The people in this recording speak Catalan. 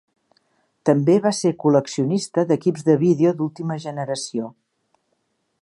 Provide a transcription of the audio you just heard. També va ser col·leccionista d'equips de vídeo d'última generació.